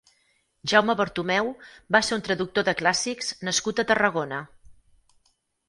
Jaume Bartomeu va ser un traductor de clàssics nascut a Tarragona.